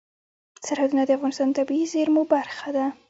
سرحدونه د افغانستان د طبیعي زیرمو برخه ده.